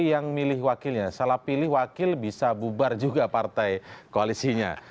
yang milih wakilnya salah pilih wakil bisa bubar juga partai koalisinya